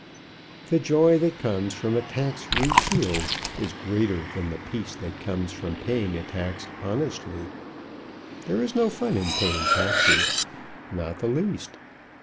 The joy that comes from a tax repealed is greater than the peace that comes from paying a tax honestly. There is no fun in paying taxes. Not the least.